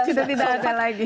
kita tidak ada lagi